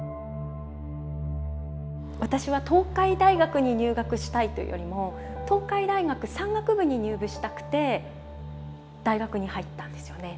私は東海大学に入学したいというよりも東海大学山岳部に入部したくて大学に入ったんですよね。